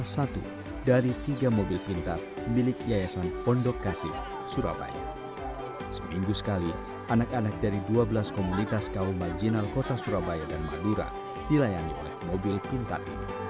seminggu sekali anak anak dari dua belas komunitas kaum marginal kota surabaya dan madura dilayani oleh mobil pintar ini